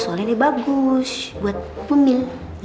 soalnya ini bagus buat puming